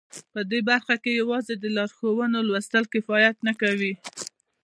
په دې برخه کې یوازې د لارښوونو لوستل کفایت نه کوي